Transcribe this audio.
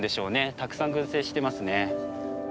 たくさん群生してますね。